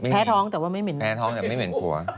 แพ้ท้องแต่ว่าไม่เหม็นแพ้ท้องแต่ไม่เหม็นผัว